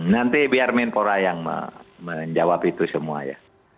nanti biar menpora yang menjawab itu semua ya